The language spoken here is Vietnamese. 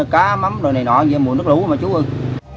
cá mắm đồ này nọ mùa nước lũ mà chú ưng